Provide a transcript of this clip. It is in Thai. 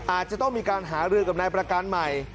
อาจจะต้องมีการหารือกับนายประการใหม่